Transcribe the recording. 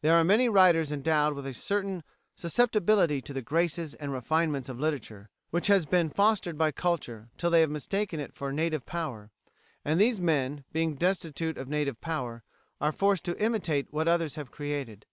There are many writers endowed with a certain susceptibility to the graces and refinements of literature, which has been fostered by culture till they have mistaken it for native power; and these men being destitute of native power are forced to imitate what others have created.